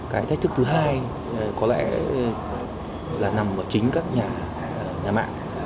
cái thách thức thứ hai có lẽ là nằm ở chính các nhà mạng